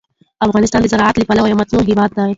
افغانستان د زراعت له پلوه یو متنوع هېواد دی.